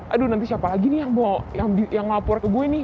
aduh nanti siapa lagi nih yang lapor ke gue nih